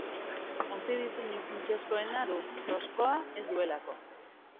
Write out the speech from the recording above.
Ontzi-diseinu funtsezkoena du, kroskoa ez duelako.